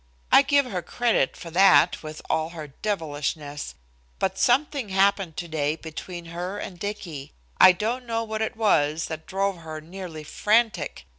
I give her credit for that with all her devilishness, but something happened today between her and Dicky. I don't know what it was that drove her nearly frantic.